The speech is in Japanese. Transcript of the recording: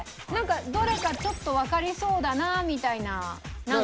どれかちょっとわかりそうだなみたいななんか。